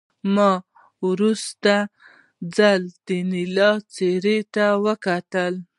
ما په وروستي ځل د انیلا څېرې ته وکتل